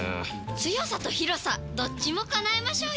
強さと広さどっちも叶えましょうよ！